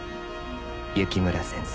雪村先生